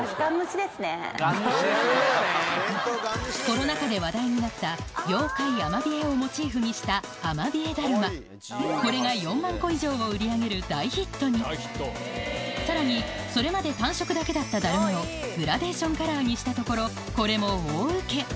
コロナ禍で話題になった妖怪アマビエをモチーフにしたこれが４万個以上を売り上げる大ヒットにさらにそれまで単色だけだっただるまをグラデーションカラーにしたところこれも大ウケ